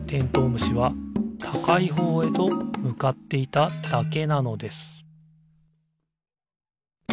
むしはたかいほうへとむかっていただけなのです